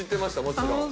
もちろん。